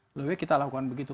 selebihnya kita lakukan begitu